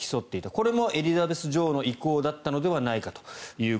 これもエリザベス女王の意向だったのではないかと。